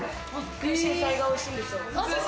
空芯菜がおいしいんですよ。